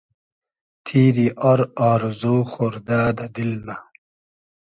تیری آر آرزو خۉردۂ دۂ دیل مۂ